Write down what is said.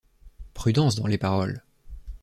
Prudence dans les paroles.